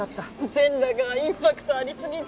全裸がインパクトありすぎて。